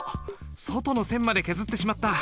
外の線まで削ってしまった。